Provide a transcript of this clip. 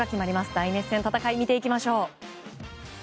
大熱戦の戦いを見ていきましょう。